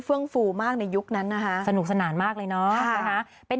ฟึ่งฟู่มากในยุคนั้นอะฮะสนุกสนานมากเลยเนาะฮะเป็น